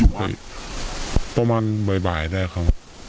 อยู่ไปประมาณบ่ายได้ครับ